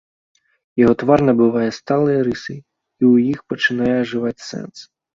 Яго твар набывае сталыя рысы, і ў іх пачынае ажываць сэнс.